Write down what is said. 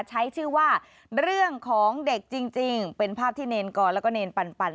ใช้ชื่อว่าเรื่องของเด็กจริงเป็นภาพที่เนรกรแล้วก็เนรปัน